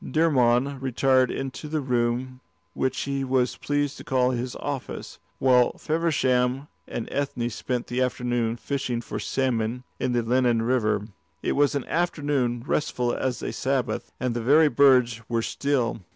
Dermod retired into the room which he was pleased to call his office, while Feversham and Ethne spent the afternoon fishing for salmon in the Lennon River. It was an afternoon restful as a Sabbath, and the very birds were still.